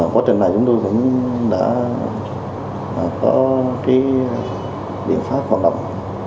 quá trình này chúng tôi cũng đã có biện pháp hoạt động